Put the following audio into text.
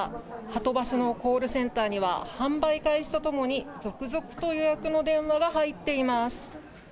はとバスのコールセンターには、販売開始とともに、続々と予約の電話が入っています。